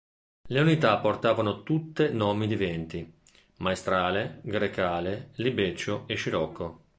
Le unità portavano tutte nomi di venti: Maestrale, Grecale, Libeccio e Scirocco.